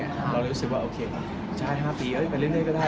เราเลยรู้สึกว่าโอเคป่ะใช่๕ปีไปเรื่อยก็ได้